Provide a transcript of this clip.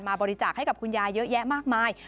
บริจาคให้กับคุณยายเยอะแยะมากมาย